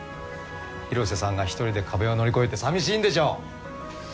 広瀬さんが一人で壁を乗り越えてさみしいんでしょう？